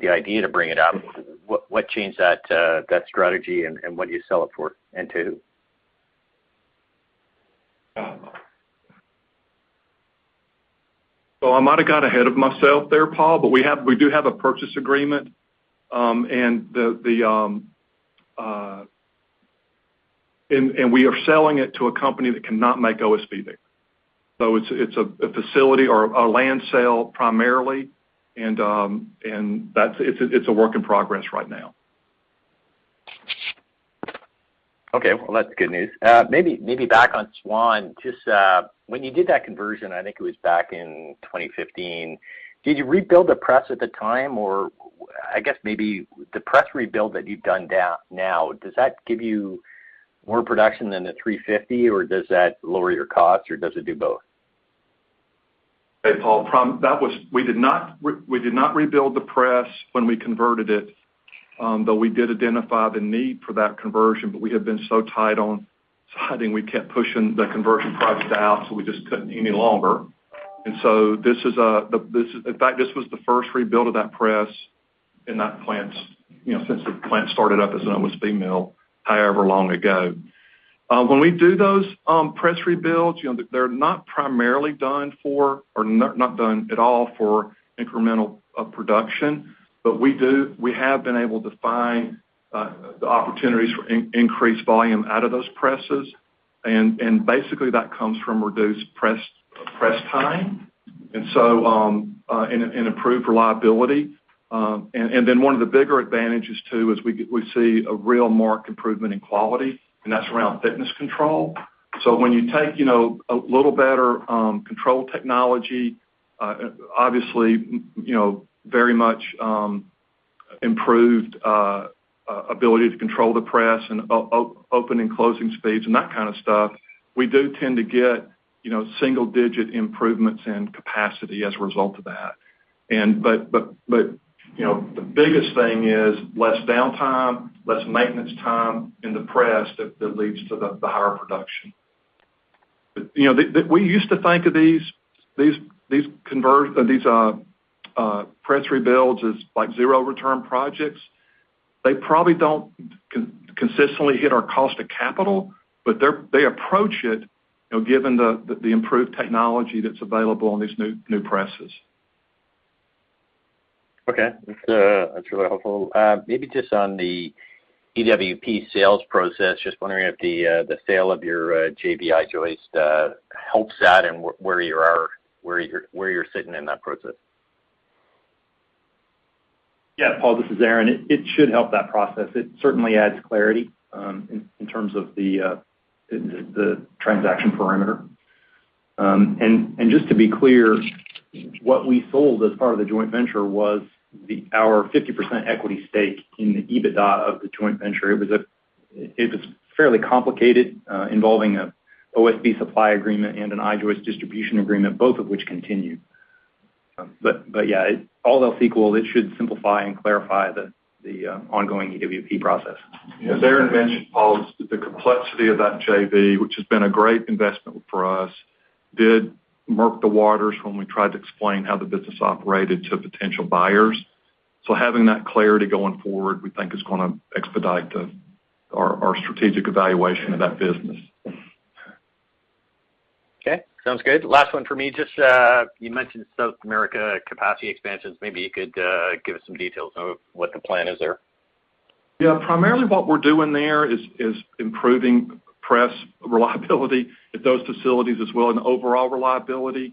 the idea to bring it up. What changed that strategy and what do you sell it for and to? I might have got ahead of myself there, Paul, but we do have a purchase agreement, and we are selling it to a company that cannot make OSB there. It's a facility or a land sale primarily, and that's a work in progress right now. Okay. Well, that's good news. Maybe back on Swan, just, when you did that conversion, I think it was back in 2015, did you rebuild the press at the time or I guess maybe the press rebuild that you've done down now, does that give you more production than the 350, or does that lower your cost, or does it do both? Hey, Paul, we did not rebuild the press when we converted it, though we did identify the need for that conversion, but we had been so tight on siding, we kept pushing the conversion project out, so we just couldn't any longer. This was the first rebuild of that press in that plant, you know, since the plant started up as an OSB mill however long ago. When we do those press rebuilds, you know, they're not primarily done for, or not done at all for incremental production, but we have been able to find the opportunities for increased volume out of those presses, and basically that comes from reduced press time and improved reliability. One of the bigger advantages too is we see a real marked improvement in quality, and that's around thickness control. When you take, you know, a little better control technology, obviously, you know, very much improved ability to control the press and open and closing speeds and that kind of stuff, we do tend to get, you know, single-digit improvements in capacity as a result of that. You know, the biggest thing is less downtime, less maintenance time in the press that leads to the higher production. You know, we used to think of these press rebuilds as like zero return projects. They probably don't consistently hit our cost of capital, but they approach it, you know, given the improved technology that's available on these new presses. Okay. That's really helpful. Maybe just on the EWP sales process, just wondering if the sale of your I-Joist helps that and where you are, where you're sitting in that process. Yeah, Paul, this is Aaron. It should help that process. It certainly adds clarity in terms of the transaction perimeter. Just to be clear, what we sold as part of the joint venture was our 50% equity stake in the EBITDA of the joint venture. It was fairly complicated, involving an OSB supply agreement and an I-Joist distribution agreement, both of which continue. Yeah, all else equal, it should simplify and clarify the ongoing EWP process. As Aaron mentioned, Paul, the complexity of that JV, which has been a great investment for us, did muddy the waters when we tried to explain how the business operated to potential buyers. Having that clarity going forward, we think is gonna expedite our strategic evaluation of that business. Okay. Sounds good. Last one for me. Just, you mentioned South America capacity expansions. Maybe you could, give us some details on what the plan is there. Yeah. Primarily what we're doing there is improving press reliability at those facilities as well, and overall reliability.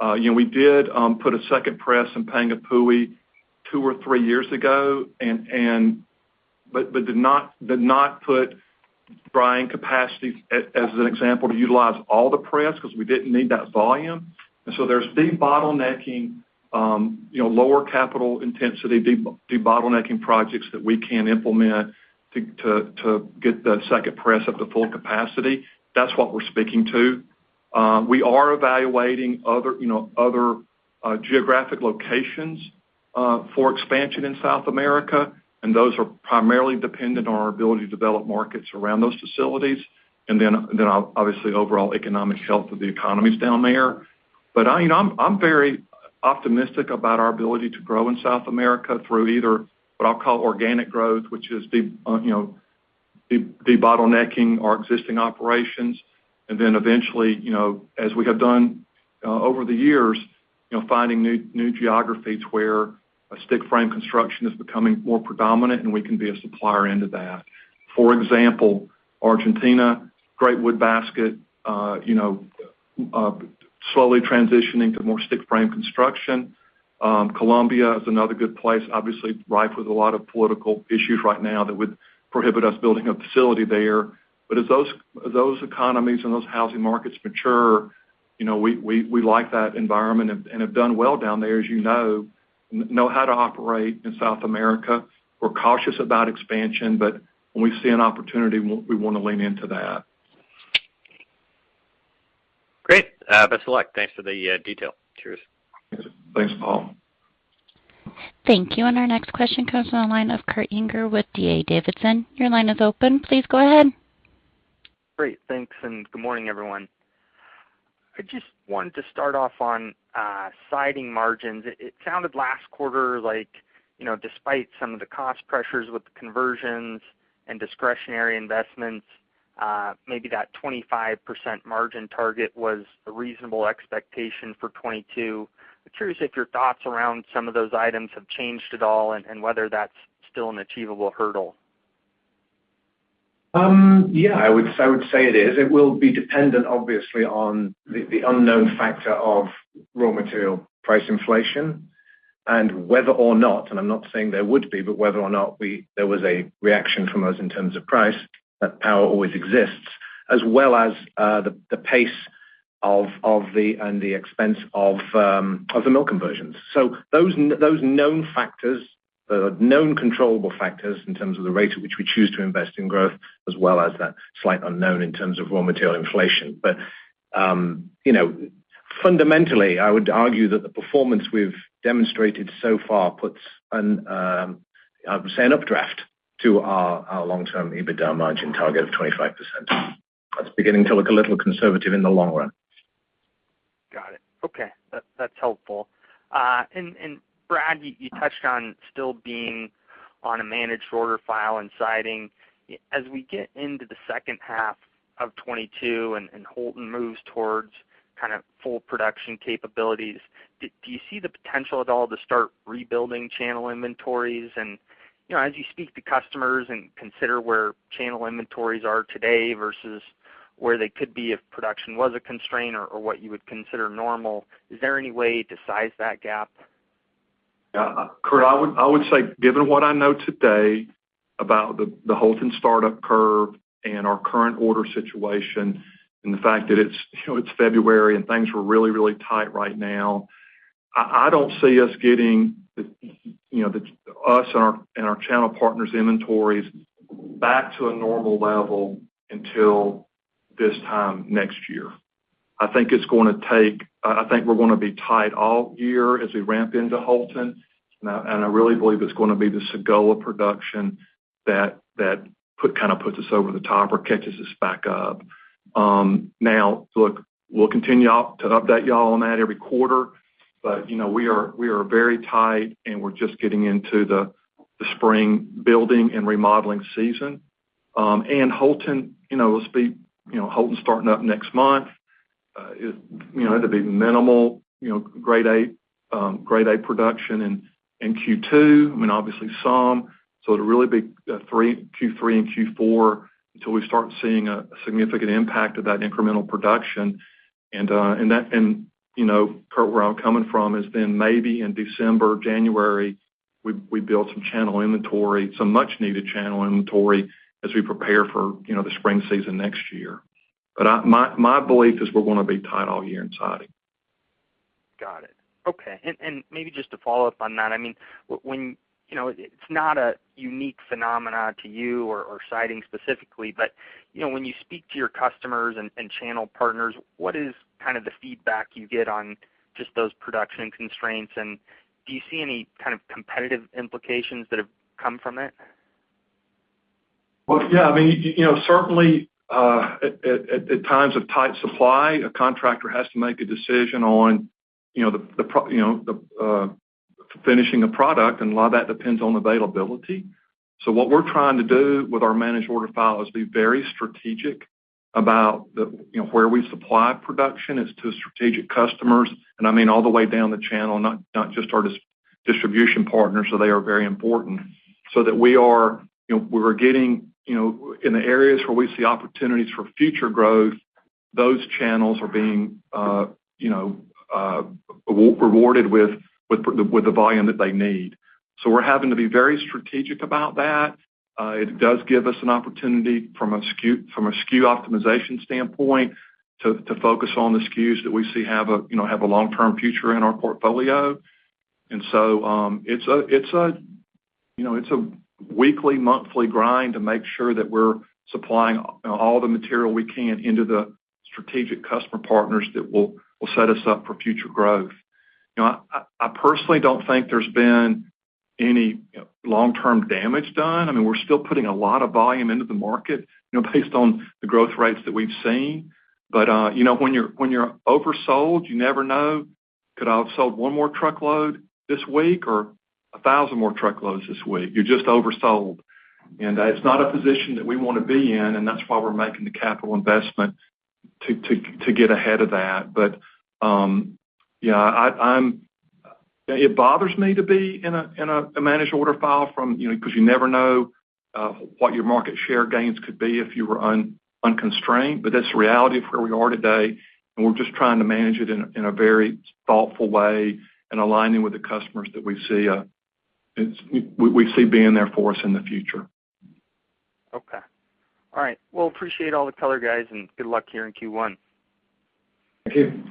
You know, we did put a second press in Panguipulli 2 or 3 years ago but did not put drying capacity as an example to utilize all the press because we didn't need that volume. There's debottlenecking, you know, lower capital intensity debottlenecking projects that we can implement to get the second press up to full capacity. That's what we're speaking to. We are evaluating other, you know, other geographic locations for expansion in South America, and those are primarily dependent on our ability to develop markets around those facilities, and then obviously overall economic health of the economies down there. You know, I'm very optimistic about our ability to grow in South America through either what I'll call organic growth, which is debottlenecking our existing operations, and then eventually, you know, as we have done over the years, you know, finding new geographies where a stick frame construction is becoming more predominant and we can be a supplier into that. For example, Argentina, great wood basket, slowly transitioning to more stick frame construction. Colombia is another good place, obviously rife with a lot of political issues right now that would prohibit us building a facility there. As those economies and those housing markets mature, you know, we like that environment and have done well down there, as you know how to operate in South America. We're cautious about expansion, but when we see an opportunity, we wanna lean into that. Great. Best of luck. Thanks for the detail. Cheers. Thanks, Paul. Thank you. Our next question comes from the line of Kurt Yinger with D.A. Davidson. Your line is open. Please go ahead. Great. Thanks, and good morning, everyone. I just wanted to start off on siding margins. It sounded last quarter like, you know, despite some of the cost pressures with the conversions and discretionary investments, maybe that 25% margin target was a reasonable expectation for 2022. I'm curious if your thoughts around some of those items have changed at all and whether that's still an achievable hurdle. Yeah, I would say it is. It will be dependent, obviously, on the unknown factor of raw material price inflation and whether or not there was a reaction from us in terms of price, that power always exists, as well as the pace of and the expense of the mill conversions. Those known factors, the known controllable factors in terms of the rate at which we choose to invest in growth, as well as that slight unknown in terms of raw material inflation. You know, fundamentally, I would argue that the performance we've demonstrated so far puts, say, an updraft to our long-term EBITDA margin target of 25%. That's beginning to look a little conservative in the long run. Got it. Okay. That's helpful. Brad, you touched on still being on a managed order file and siding. As we get into the second half of 2022 and Houlton moves towards kind of full production capabilities, do you see the potential at all to start rebuilding channel inventories? You know, as you speak to customers and consider where channel inventories are today versus where they could be if production was a constraint or what you would consider normal, is there any way to size that gap? Kurt, I would say, given what I know today about the Houlton startup curve and our current order situation, and the fact that it's February and things were really tight right now, I don't see us getting us and our channel partners' inventories back to a normal level until this time next year. I think it's gonna take. I think we're gonna be tight all year as we ramp into Houlton. I really believe it's gonna be the Sagola production that puts us over the top or catches us back up. Now, look, we'll continue to update y'all on that every quarter. You know, we are very tight, and we're just getting into the spring building and remodeling season. Houlton, you know, will speak, you know, Houlton's starting up next month. You know, it'll be minimal, you know, grade A production in Q2. I mean, obviously some, so it'll really be Q3 and Q4 until we start seeing a significant impact of that incremental production. And that, you know, Kurt, where I'm coming from has been maybe in December, January, we built some channel inventory, some much needed channel inventory as we prepare for, you know, the spring season next year. But my belief is we're gonna be tight all year in siding. Got it. Okay. Maybe just to follow up on that, I mean, when, you know, it's not a unique phenomenon to you or siding specifically, but, you know, when you speak to your customers and channel partners, what is kind of the feedback you get on just those production constraints? Do you see any kind of competitive implications that have come from it? Well, yeah, I mean, you know, certainly at times of tight supply, a contractor has to make a decision on, you know, the finishing a product, and a lot of that depends on availability. What we're trying to do with our managed order file is be very strategic about, you know, where we supply production. It's to strategic customers, and I mean all the way down the channel, not just our distribution partners, so they are very important, so that we are, you know, we were getting, you know, in the areas where we see opportunities for future growth, those channels are being, you know, rewarded with the volume that they need. We're having to be very strategic about that. It does give us an opportunity from a SKU optimization standpoint to focus on the SKUs that we see have a you know long-term future in our portfolio. It's a you know weekly monthly grind to make sure that we're supplying all the material we can into the strategic customer partners that will set us up for future growth. You know, I personally don't think there's been any long-term damage done. I mean, we're still putting a lot of volume into the market you know based on the growth rates that we've seen. You know, when you're oversold, you never know, could I have sold one more truckload this week or a thousand more truckloads this week? You're just oversold, and it's not a position that we wanna be in, and that's why we're making the capital investment to get ahead of that. It bothers me to be in a managed order file from, you know, because you never know what your market share gains could be if you were unconstrained, but that's the reality of where we are today, and we're just trying to manage it in a very thoughtful way and aligning with the customers that we see being there for us in the future. Okay. All right. Well, appreciate all the color guys, and good luck here in Q1. Thank you.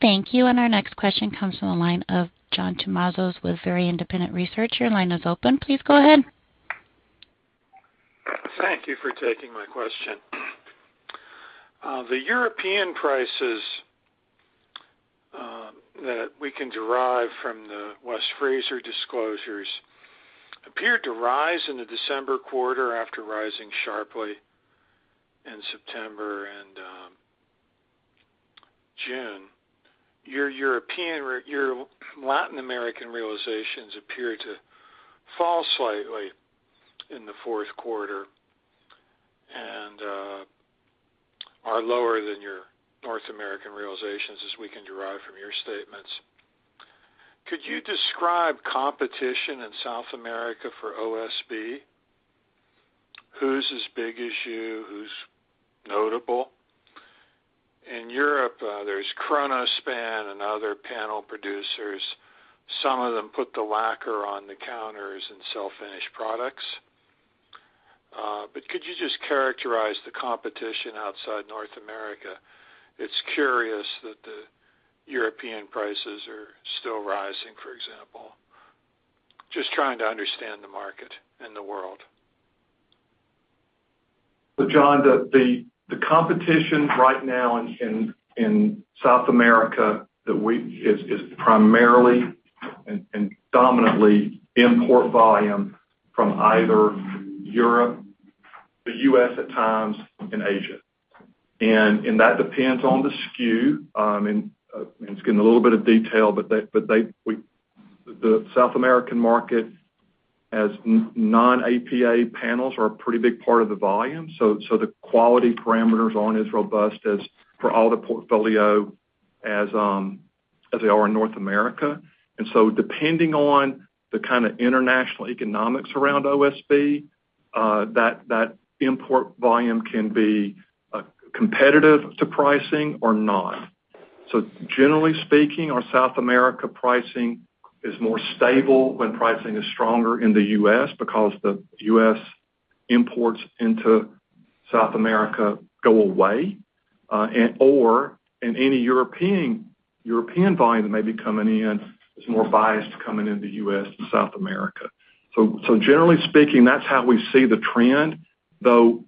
Thank you. Our next question comes from the line of John Tomazos with Very Independent Research. Your line is open. Please go ahead. Thank you for taking my question. The European prices that we can derive from the West Fraser disclosures appeared to rise in the December quarter after rising sharply in September and June. Your European or your Latin American realizations appear to fall slightly in the fourth quarter and are lower than your North American realizations as we can derive from your statements. Could you describe competition in South America for OSB? Who's as big as you? Who's notable? In Europe, there's Kronospan and other panel producers. Some of them put the lacquer on the counters and sell finished products. But could you just characterize the competition outside North America? It's curious that the European prices are still rising, for example. Just trying to understand the market and the world. John, the competition right now in South America is primarily and dominantly import volume from either Europe, the U.S. at times, and Asia. That depends on the SKU. It's getting a little bit of detail, but the South American market has non-APA panels are a pretty big part of the volume. The quality parameters aren't as robust as for all the portfolio as they are in North America. Depending on the kind of international economics around OSB, that import volume can be competitive to pricing or not. Generally speaking, our South America pricing is more stable when pricing is stronger in the U.S. because the U.S. imports into South America go away, and any European volume may be coming in is more biased coming into U.S. than South America. Generally speaking, that's how we see the trend, though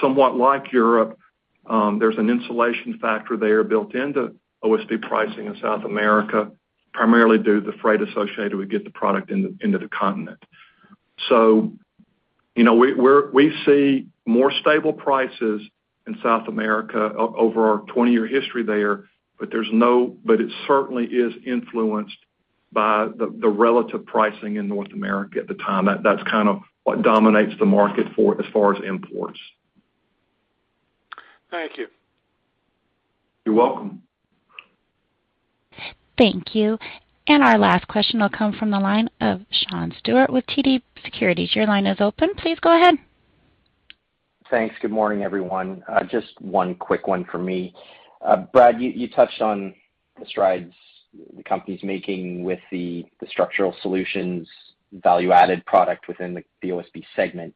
somewhat like Europe, there's an insulation factor there built into OSB pricing in South America, primarily due to the freight associated to get the product into the continent. We see more stable prices in South America over our 20-year history there, but it certainly is influenced by the relative pricing in North America at the time. That's kind of what dominates the market for as far as imports. Thank you. You're welcome. Thank you. Our last question will come from the line of Sean Steuart with TD Securities. Your line is open. Please go ahead. Thanks. Good morning, everyone. Just one quick one for me. Brad, you touched on the strides the company's making with the Structural Solutions value-added product within the OSB segment.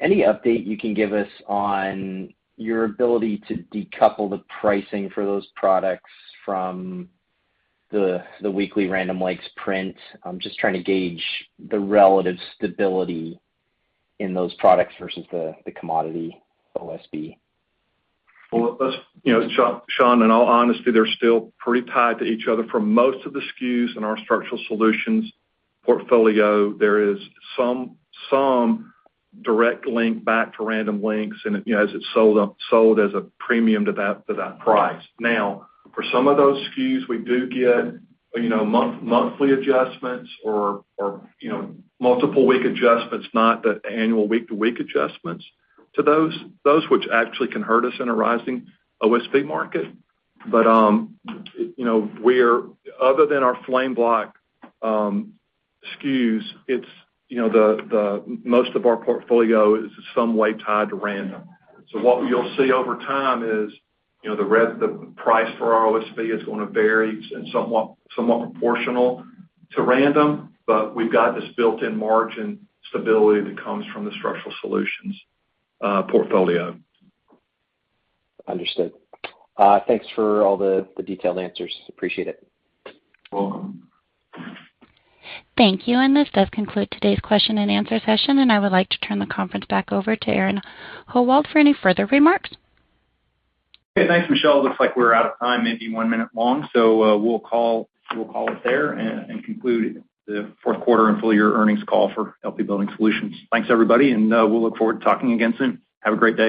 Any update you can give us on your ability to decouple the pricing for those products from the weekly Random Lengths print? I'm just trying to gauge the relative stability in those products versus the commodity OSB. That's, you know, Sean, in all honesty, they're still pretty tied to each other. For most of the SKUs in our Structural Solutions portfolio, there is some direct link back to Random Lengths and, you know, as it's sold as a premium to that price. Now, for some of those SKUs, we do get, you know, monthly adjustments or, you know, multiple week adjustments, not the annual week-to-week adjustments to those which actually can hurt us in a rising OSB market. Other than our FlameBlock SKUs, it's, you know, the most of our portfolio is in some way tied to random. What you'll see over time is, you know, the price for our OSB is gonna vary. It's somewhat proportional to Random Lengths, but we've got this built-in margin stability that comes from the Structural Solutions portfolio. Understood. Thanks for all the detailed answers. Appreciate it. Welcome. Thank you. This does conclude today's question-and-answer session, and I would like to turn the conference back over to Aaron Howald for any further remarks. Okay, thanks, Michelle. Looks like we're out of time, maybe one minute long. We'll call it there and conclude the fourth quarter and full year earnings call for LP Building Solutions. Thanks, everybody, and we'll look forward to talking again soon. Have a great day.